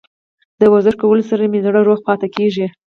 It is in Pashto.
د ورزش کولو سره مې زړه روغ پاتې کیږي.